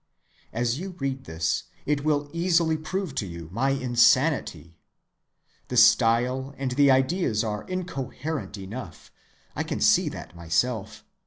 As you read this, it will easily prove to you my insanity. The style and the ideas are incoherent enough—I can see that myself.